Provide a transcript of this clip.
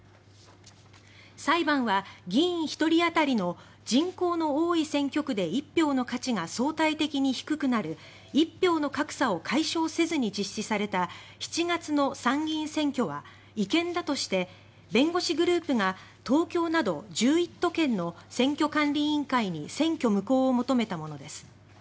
裁判は、議員１人当たりの人口の多い選挙区で一票の価値が相対的に低くなる「一票の格差」を解消せずに実施された７月の参議院選挙は違憲だとして弁護士グループが東京など１１都県の選挙管理委員会に選挙無効を求めたものです。